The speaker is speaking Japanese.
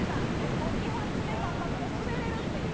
もう２発目３発目スベれるっていう。